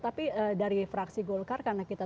tapi dari fraksi golkar karena kita